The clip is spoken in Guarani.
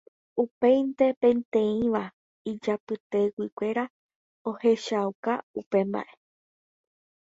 Upéinte peteĩva ijapyteguikuéra ohechakuaa upe mba'e.